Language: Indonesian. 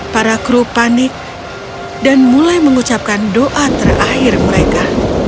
para kru panik dan mulai mengucapkan doa terakhir mereka